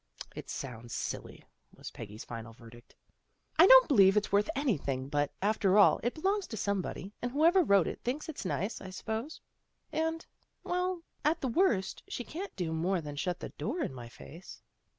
" It sounds silly," was Peggy's final verdict, MAKING FRIENDS 45 " I don't believe it's worth anything, but, after all, it belongs to somebody, and whoever wrote it thinks it's nice, I suppose. And well, at the worst, she can't do more than shut the door in my face."